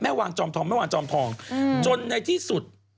วางจอมทองแม่วางจอมทองจนในที่สุด